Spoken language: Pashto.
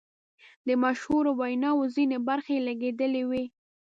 د مشهورو ویناوو ځینې برخې لګیدلې وې.